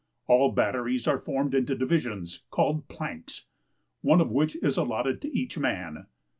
All batteries are formed into divisions called PLANKS, one of which is allotted to each man.